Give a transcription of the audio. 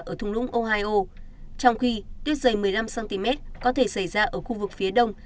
ở thung lũng ohio trong khi tuyết rơi một mươi năm cm có thể xảy ra ở khu vực phía đông